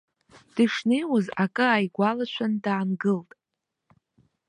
Дышнеиуаз, акы ааигәалашәан даангылт.